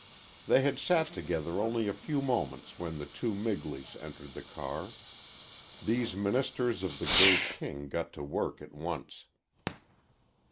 They had sat together only a few moments when the two Migleys entered the car. These ministers of the great king got to work at once.